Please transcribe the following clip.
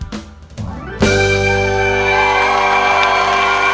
ฉันจะรับรองว่าไม่ขาดทุน